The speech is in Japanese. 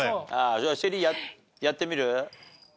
じゃあＳＨＥＬＬＹやってみる？